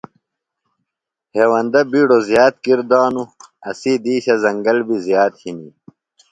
ہیوندہ بِیڈوۡ زِیات کِر دانُوۡ۔ اسی دِیشہ زنگل بیۡ زیات ہِنیۡ۔